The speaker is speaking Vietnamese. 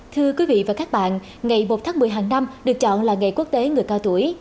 thưa quý vị và các bạn ngày một tháng một mươi hàng năm được chọn là ngày quốc tế người cao tuổi